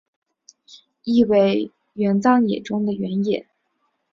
意为武藏野中的原野。